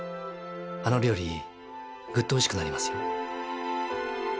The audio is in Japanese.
あの料理グッとおいしくなりますよ。